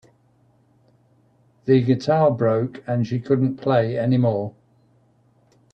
The guitar broke and she couldn't play anymore.